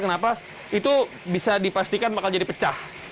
kenapa itu bisa dipastikan bakal jadi pecah